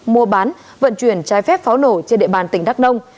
mua bán vận chuyển trái phép pháo nổ trên địa bàn tỉnh đắk nông